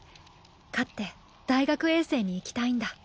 勝って大学衛星に行きたいんだ。